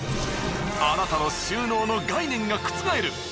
あなたの収納の概念が覆る。